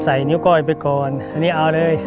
นิ้วก้อยไปก่อนอันนี้เอาเลย